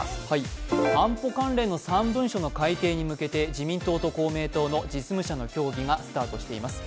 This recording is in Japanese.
安保関連の３文書の改定に向けて、自民党と公明党の実務者の協議がスタートしています。